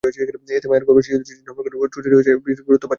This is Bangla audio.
এতে মায়ের গর্ভে শিশুর জন্মগত ত্রুটি নির্ণয়ের বিষয়টি বিশেষ গুরুত্ব পাচ্ছে।